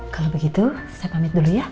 kalau begitu saya pamit dulu ya